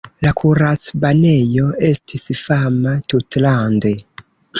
La kuracbanejo estis fama tutlande.